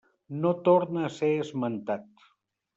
No torna a ser esmentat.